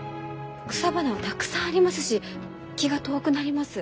草花はたくさんありますし気が遠くなります。